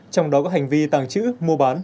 trong đó có hành vi tàng trữ mua bán